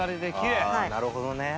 ああなるほどね。